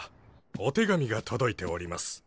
お手紙が届いております。